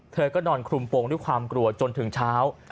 เธอก็นอนคลุมโปรงด้วยความกลัวจนถึงเช้า